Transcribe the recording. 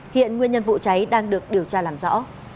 hiện nguyên nhân vụ cháy đang được điều tra làm rõ